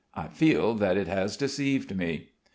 I feel that it has deceived me.